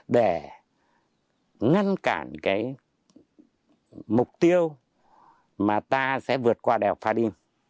để ngăn cản mục tiêu mà ta sẽ vượt qua đèo pha đinh